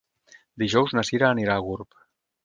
Dijous na Cira anirà a Gurb.